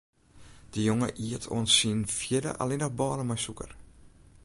De jonge iet oant syn fjirde allinnich bôle mei sûker.